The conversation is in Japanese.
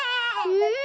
うん？